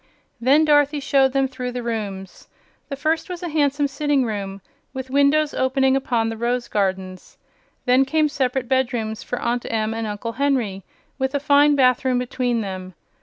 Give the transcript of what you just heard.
Then Dorothy showed them through the rooms. The first was a handsome sitting room, with windows opening upon the rose gardens. Then came separate bedrooms for Aunt Em and Uncle Henry, with a fine bathroom between them.